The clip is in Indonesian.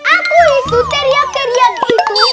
aku ikut teriak teriak itu